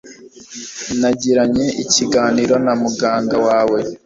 Nagiranye ikiganiro na muganga wawe.